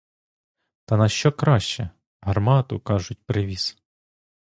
Та на що краще — гармату, кажуть, привіз!